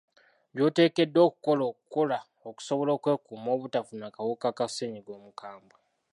By’oteekeddwa okukola okukola okusobola okwekuuma obutafuna kawuka ka ssennyiga omukambwe.